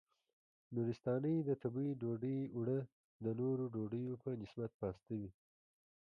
نورستانۍ د تبۍ ډوډۍ اوړه د نورو ډوډیو په نسبت پاسته وي.